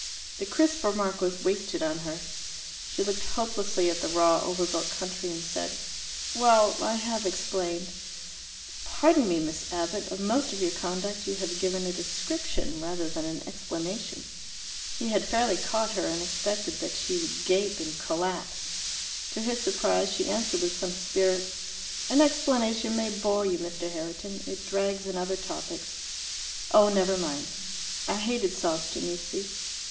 The crisp remark was wasted on her. She looked hopelessly at the raw over built country, and said, "Well, I have explained." "But pardon me, Miss Abbott; of most of your conduct you have given a description rather than an explanation." He had fairly caught her, and expected that she would gape and collapse. To his surprise she answered with some spirit, "An explanation may bore you, Mr. Herriton: it drags in other topics." "Oh, never mind." "I hated Sawston, you see."